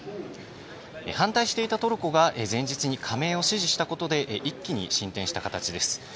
反対していたトルコが前日に加盟を支持したことで一気に進展した形です。